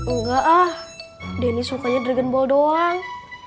enggak ah deni sukanya dregon ball doang